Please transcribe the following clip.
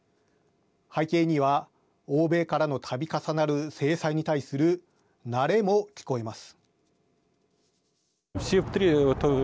背景には、欧米からのたび重なる制裁に対する慣れも聞こえます。